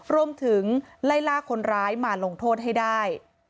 ร่วมถึงไล่ลากคนร้ายมาลงโทษให้ได้